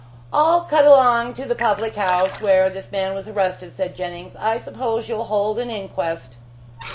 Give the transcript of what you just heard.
"I'll cut along to the public house where this man was arrested," said Jennings, "I suppose you'll hold an inquest."